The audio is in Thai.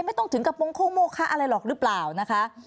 ไม่ต้องถึงกระโปรงโค้งโมคะอะไรหรอกหรือเปล่านะคะ